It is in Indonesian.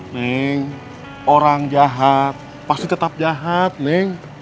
neng orang jahat pasti tetap jahat neng